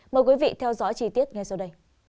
mời quý vị theo dõi chi tiết ngay sau đây